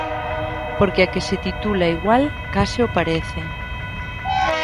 Porque a que se titula igual... Case o parece.